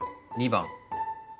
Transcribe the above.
２番。